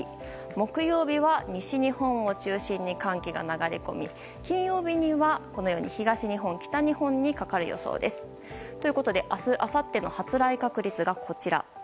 木曜日は西日本を中心に寒気が流れ込み金曜日には北日本、東日本にかかる予想です。ということで、明日あさっての発雷確率がこちら。